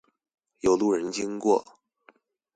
有路人經過